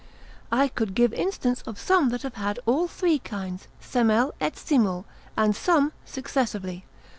I could give instance of some that have had all three kinds semel et simul, and some successively.